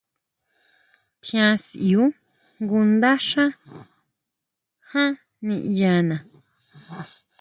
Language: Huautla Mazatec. Tjian sʼíu jngu ndásja ján niʼyana.